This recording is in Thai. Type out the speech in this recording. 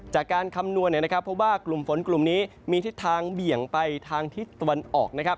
คำนวณเนี่ยนะครับเพราะว่ากลุ่มฝนกลุ่มนี้มีทิศทางเบี่ยงไปทางทิศตะวันออกนะครับ